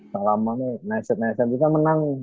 selama itu nasib nasib kita menang